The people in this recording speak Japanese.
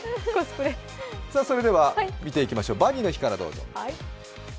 見ていきましょう、バニーの日からどうぞ。